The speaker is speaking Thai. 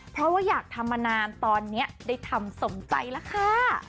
เพราะว่าอยากทำมานานตอนนี้ได้ทำสมใจแล้วค่ะ